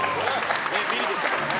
ビリでしたからね。